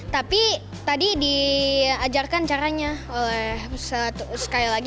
tapi tadi diajarkan caranya oleh sekali lagi